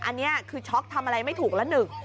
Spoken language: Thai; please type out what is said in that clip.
อันนี้คือช็อกทำอะไรไม่ถูกละหนึก